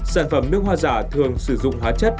sản phẩm nước hoa giả thường sử dụng hóa chất